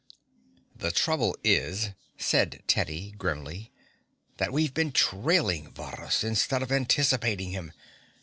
"The trouble is," said Teddy grimly, "that we've been trailing Varrhus, instead of anticipating him.